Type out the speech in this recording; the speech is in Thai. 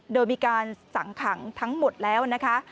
โดยมีการสั่งขังทั้งหมดแล้วนะคะ